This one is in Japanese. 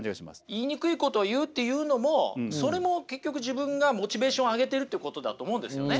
言いにくいことを言うっていうのもそれも結局自分がモチベーションを上げているってことだと思うんですよね。